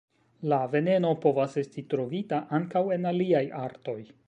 La veneno povas esti trovita ankaŭ en aliaj artoj.